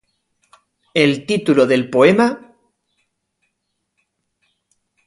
El título del poema Оденем Родину в леса!